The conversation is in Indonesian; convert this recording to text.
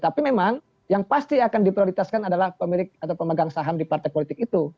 tapi memang yang pasti akan diprioritaskan adalah pemilik atau pemegang saham di partai politik itu